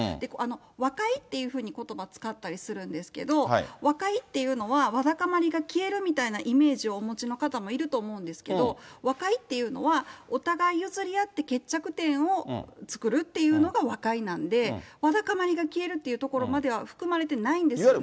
和解っていうふうにことば使ったりするんですけど、和解っていうのは、わだかまりが消えるというイメージをお持ちの方もいると思うんですけど、和解っていうのは、お互い譲り合って決着点を作るっていうのが和解なんで、わだかまりが消えるというところまでは含まれてないんですね。